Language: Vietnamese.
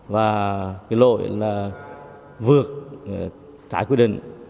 và cái lỗi là vượt trái quyết định